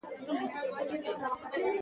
شفافه کړنلاره د باور پیاوړتیا سبب ګرځي.